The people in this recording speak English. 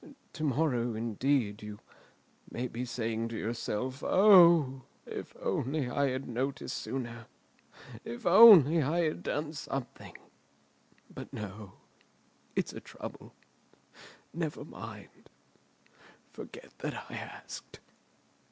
To morrow, indeed, you may be saying to yourself, 'O, if only I had noticed sooner! If only I had done something!' But no; it's a trouble. Never mind—forget that I asked."